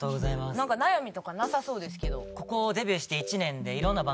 なんか悩みとかなさそうですけど。